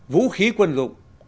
vũ khí quân dụng